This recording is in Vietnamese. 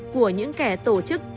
của những kẻ tổ chức